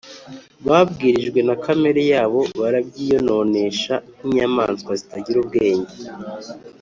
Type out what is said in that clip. babwirijwe na kamere yabo barabyiyononesha nk’inyamaswa zitagira ubwenge